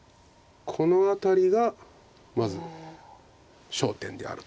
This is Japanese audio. この辺りがまず焦点であると。